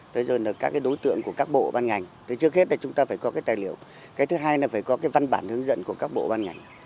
trước hết là chúng ta phải có tài liệu thứ hai là phải có văn bản hướng dẫn của các bộ ban ngành